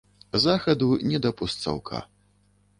Захаду не да постсаўка.